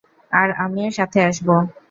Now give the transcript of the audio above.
আর আমিও সাথে আসব।